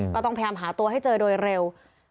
ก็ต้องพยายามหาตัวให้เจอโดยเร็ว